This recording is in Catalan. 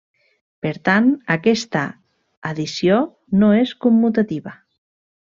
Per tant, aquesta addició no és commutativa.